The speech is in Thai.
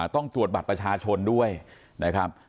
ต้องตรวจบัตรประชาชนด้วยนะครับ